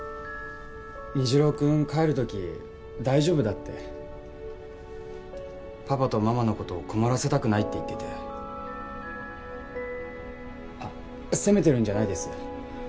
虹朗君帰る時大丈夫だってパパとママのこと困らせたくないって言っててあっ責めてるんじゃないです